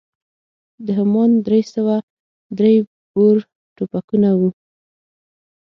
دا همان درې سوه درې بور ټوپکونه وو.